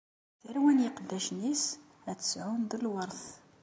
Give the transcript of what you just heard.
Tarwa n yiqeddacen-is ad tt-sɛun d lweṛt.